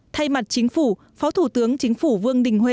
thay mặt chính phủ phó thủ tướng chính phủ vương đình huệ